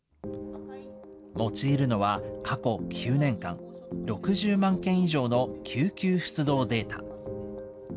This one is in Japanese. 用いるのは過去９年間、６０万件以上の救急出動データ。